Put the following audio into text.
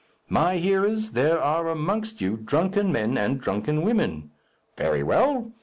My hearers! there are amongst you drunken men and drunken women. Very well.